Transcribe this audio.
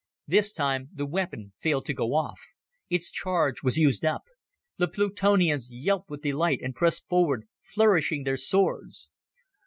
This time the weapon failed to go off. Its charge was used up. The Plutonians yelped with delight and pressed forward, flourishing their swords.